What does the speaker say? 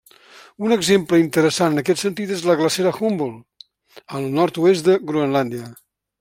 Un exemple interessant en aquest sentit és la glacera Humboldt, en el nord-oest de Groenlàndia.